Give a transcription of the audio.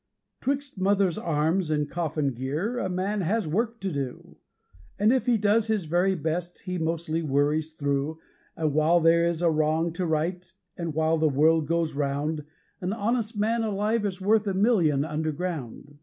'Twixt mother's arms and coffin gear a man has work to do! And if he does his very best he mostly worries through, And while there is a wrong to right, and while the world goes round, An honest man alive is worth a million underground.